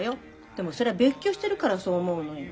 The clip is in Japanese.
でもそれは別居してるからそう思うのよ。